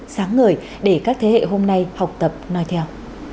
sáng ngời để các thế hệ hôm nay học tập nói theo